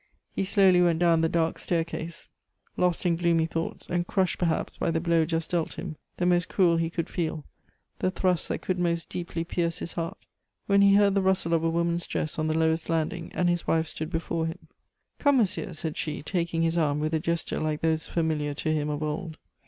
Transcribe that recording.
He slowly went down the dark staircase, lost in gloomy thoughts, and crushed perhaps by the blow just dealt him the most cruel he could feel, the thrust that could most deeply pierce his heart when he heard the rustle of a woman's dress on the lowest landing, and his wife stood before him. "Come, monsieur," said she, taking his arm with a gesture like those familiar to him of old.